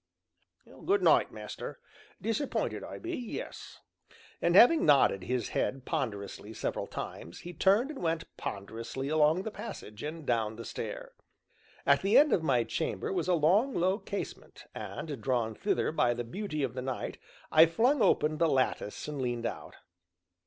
Good night, master. Disapp'inted I be yes." And having nodded his head ponderously several times, he turned and went ponderously along the passage and down the stair. At the end of my chamber was a long, low casement, and, drawn thither by the beauty of the night, I flung open the lattice and leaned out.